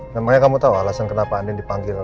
namanya kamu tau alasan kenapa andien dipanggil